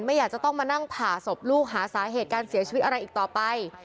ไม่อยากจะต้องมานั่งผ่าศพลูกหาสาเหตุการเสียชีวิตอะไรอีกต่อไป